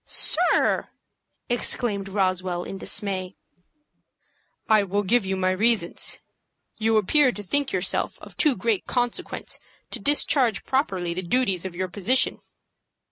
"Sir!" exclaimed Roswell, in dismay. "I will give you my reasons. You appear to think yourself of too great consequence to discharge properly the duties of your position."